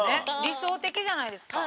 理想的じゃないですか？